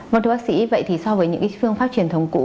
vâng thưa bác sĩ vậy thì so với những cái phương pháp truyền thống cũ